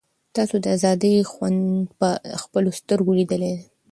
تاسو د آزادۍ خوند په خپلو سترګو لیدلی دی.